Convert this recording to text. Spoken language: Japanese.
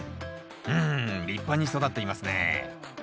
うん立派に育っていますね。